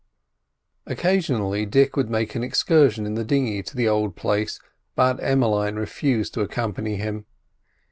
Occasionally Dick would make an excursion in the dinghy to the old place, but Emmeline refused to accompany him.